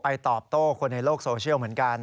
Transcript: ตอบโต้คนในโลกโซเชียลเหมือนกัน